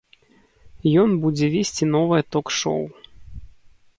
Ён будзе весці новае ток-шоў.